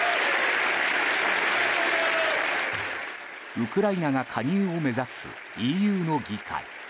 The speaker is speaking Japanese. ウクライナが加入を目指すＥＵの議会。